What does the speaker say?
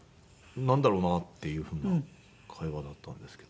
なんだろうなっていうふうな会話だったんですけど。